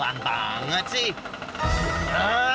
menunggu meng nghai bro